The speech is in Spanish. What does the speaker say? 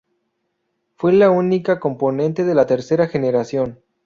Fue la única componente de la tercera generación.